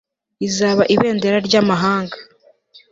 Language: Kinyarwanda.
izaba ibendera ry'amahanga